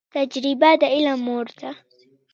تجریبه د علم مور ده